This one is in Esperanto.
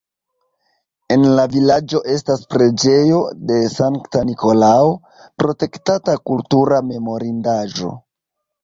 En la vilaĝo estas preĝejo de Sankta Nikolao, protektata kultura memorindaĵo.